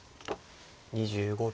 ２５秒。